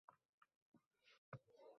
jinoyat ishi qo‘zg‘atiladi.